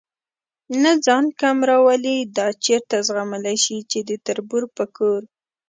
نه ځان کم راولي، دا چېرته زغملی شي چې د تربور په کور.